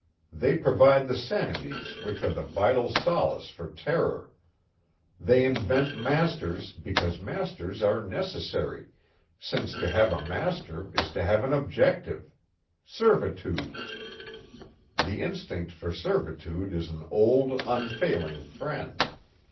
They provide the sanities which are the vital solace for terror. They invent masters because masters are necessary since to have a master is to have an objective servitude. The instinct for servitude is an old, unfailing friend.